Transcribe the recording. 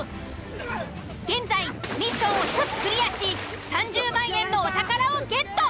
現在ミッションを１つクリアし３０万円のお宝をゲット。